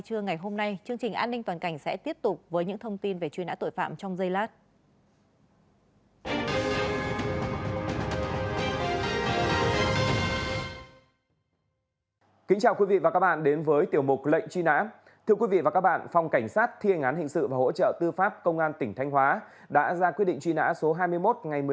công an huyện điện biên đông đã quyết định truy nã số hai mươi một ngày một mươi tám tháng bốn năm hai nghìn hai mươi